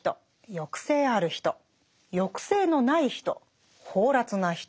抑制ある人抑制のない人放埓な人。